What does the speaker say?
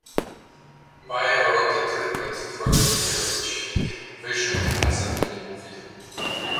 Bayer wrote the treatment for the video, which he envisioned as a mini-movie.